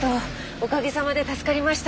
おかげさまで助かりました。